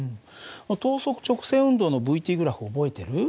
等速直線運動のυ−ｔグラフ覚えてる？